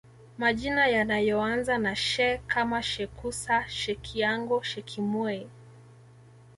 Majina yanayoanza na She kama Shekusa Shekiango Shekimwei